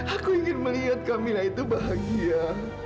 aku ingin melihat camina itu bahagia